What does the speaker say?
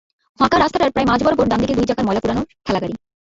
ফাঁকা রাস্তাটার প্রায় মাঝ বরাবর ডান দিকে দুই চাকার ময়লা কুড়ানো ঠেলাগাড়ি।